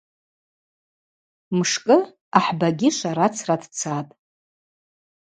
Мшкӏы ахӏбагьи шварацра дцатӏ.